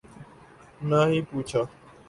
نہ ہی پوچھا